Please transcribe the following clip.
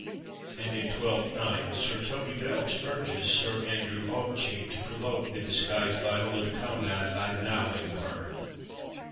And in "Twelfth Night" Sir Toby Belch urges Sir Andrew Aguecheek to provoke the disguised Viola to combat by /thouing/ her.